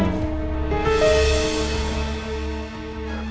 seharusnya bisa memberatkan ibu andin dan